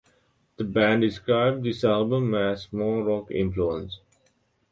The band describes this album as more rock influenced.